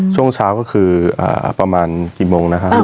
ช่วงเช้าก็คือประมาณกี่โมงนะครับ